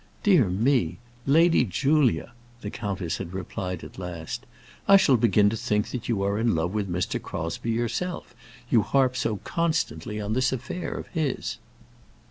"Dear me! Lady Julia," the countess had replied at last, "I shall begin to think you are in love with Mr. Crosbie yourself; you harp so constantly on this affair of his.